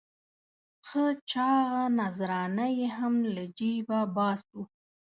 ښه چاغه نذرانه یې هم له جېبه باسو.